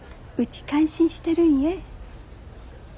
うち感心してるんえ。